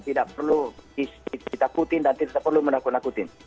tidak perlu kita putih dan tidak perlu kita menakut nakutin